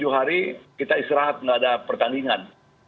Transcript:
lima ratus tiga puluh tujuh hari kita israt tidak ada pertandingan